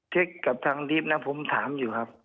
อ๋อเช็คกับทางดิ๊บนะผมถามอยู่ครับ